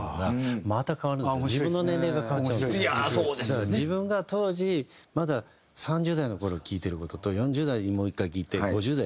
だから自分が当時まだ３０代の頃聴いてる事と４０代にもう１回聴いて５０代。